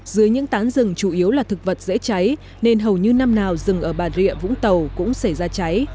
dưới những tán rừng chủ yếu là thực vật dễ cháy nên hầu như năm nào rừng ở bà rịa vũng tàu cũng xảy ra cháy